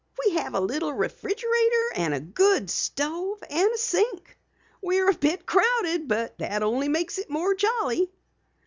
"We have a little refrigerator and a good stove and a sink. We're a bit crowded, but that only makes it more jolly."